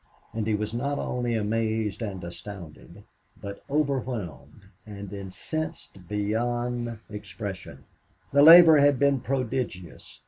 And he was not only amazed and astounded, but overwhelmed, and incensed beyond expression. The labor had been prodigious.